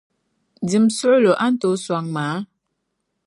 Dim, suɣulo a ni tooi sɔŋ ma?